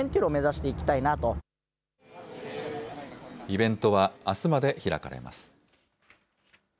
イベントはあすまで開かれます。